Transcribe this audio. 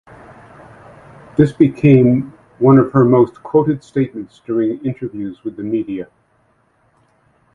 This became one of her most quoted statements during interviews with the media.